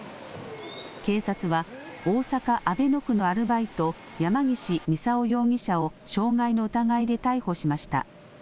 警察は大阪阿倍野区のアルバイト、山ぎし操容疑者を傷害の疑いで逮捕しました。